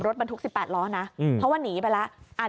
รถบรรทุก๑๘ล้อนะเพราะว่าหนีไปแล้ว